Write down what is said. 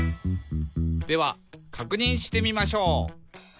「ではかくにんしてみましょう」